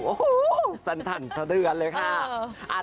โอ้ฮู้สันถันทะเรือนเลยค่ะ